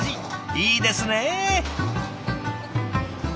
いいですね。